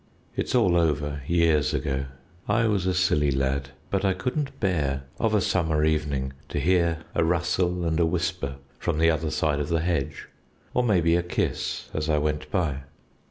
It's all over, years ago. I was a silly lad; but I couldn't bear of a summer evening to hear a rustle and a whisper from the other side of the hedge, or maybe a kiss as I went by.